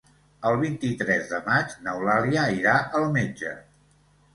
El vint-i-tres de maig n'Eulàlia irà al metge.